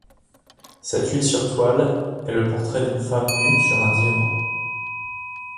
Cette huile sur toile est le portrait d'une femme nue sur un divan.